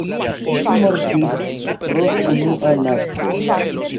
Ŝi mortis pro unua nasko.